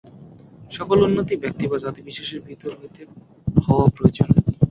সকল উন্নতিই ব্যক্তি বা জাতি-বিশেষের ভিতর হইতে হওয়া প্রয়োজন।